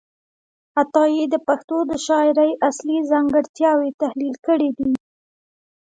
عطايي د پښتو د شاعرۍ اصلي ځانګړتیاوې تحلیل کړې دي.